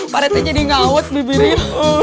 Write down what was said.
pak rete jadi ngawet bibirnya